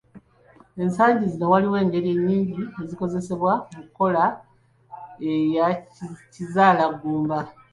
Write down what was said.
Ensangi zino waliwo engeri nnyingi ezikozesebwa mu nkola eya kizaalaggumba.